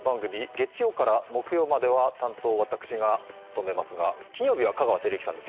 月曜から木曜までは担当私が務めますが金曜日は香川照之さんです